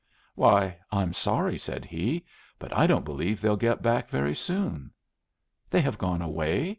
"Why, I'm sorry," said he, "but I don't believe they'll get back very soon." "They have gone away?"